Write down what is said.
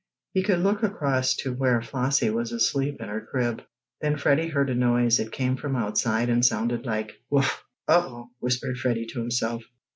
He could look across to where Flossie was asleep in her crib. Then Freddie heard a noise. It came from outside and sounded like: "Wuff!" "Oh! Oh!" whispered Freddie to himself.